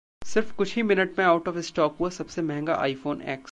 सिर्फ कुछ ही मिनट में Out of Stock हुआ सबसे महंगा iPhone X